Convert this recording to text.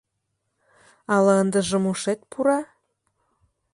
Ала ындыжым ушет пура?